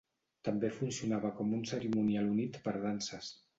També funcionava com a un cerimonial unit per danses.